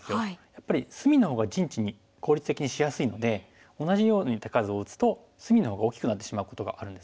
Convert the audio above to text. やっぱり隅の方が陣地に効率的にしやすいので同じように手数を打つと隅の方が大きくなってしまうことがあるんですね。